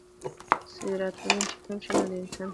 سيراټونين چې کم شي نو د انسان موډ خراب شي